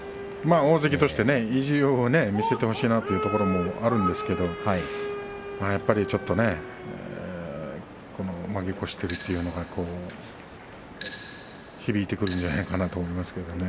大関として意地を見せてほしいなというところがあるんですけれどもちょっとね負け越しているというのがね響いてくるんじゃないかなと思いますけれどね。